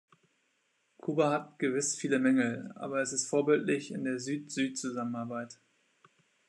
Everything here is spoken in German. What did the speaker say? Kuba hat gewiss viele Mängel, aber es ist vorbildlich in der Süd-Süd-Zusammenarbeit.